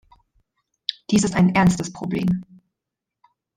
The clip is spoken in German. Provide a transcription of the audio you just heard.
Dies ist ein ernstes Problem.